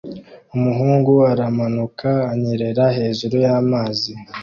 Umuhungu aramanuka anyerera hejuru y'amazi